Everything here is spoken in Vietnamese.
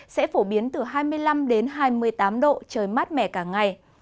sẽ phổ biến từ hai mươi năm đến hai mươi tám độ trời mát mẻ cả ngày